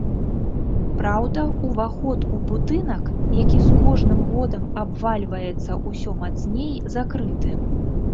Праўда, уваход у будынак, які з кожным годам абвальваецца ўсё мацней, закрыты.